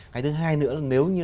cái thứ hai nữa là nếu như